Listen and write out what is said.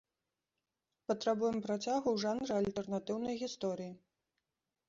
Патрабуем працягу ў жанры альтэрнатыўнай гісторыі!